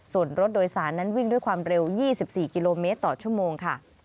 ส่วนรถโดยสารนั้นวิ่งด้วยความเร็ว๒๔กิโลเมตรต่อชั่วโมงค่ะ